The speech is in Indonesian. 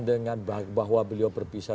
dengan bahwa beliau berpisah